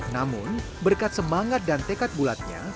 namun berkat semangat dan tekad bulatnya